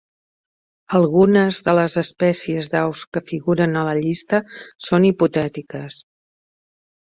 Algunes de les espècies d'aus que figuren a la llista són hipotètiques.